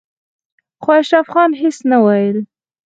خو اشرف خان هېڅ ونه ويل.